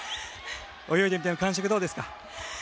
泳いでみての感触いかがですか。